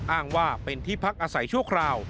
อ้างว่าเป็นที่พักอาศัยชั่วคราว